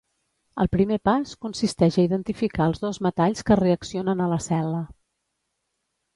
El primer pas consisteix a identificar els dos metalls que reaccionen a la cel·la.